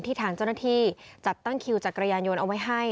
ทางเจ้าหน้าที่จัดตั้งคิวจักรยานยนต์เอาไว้ให้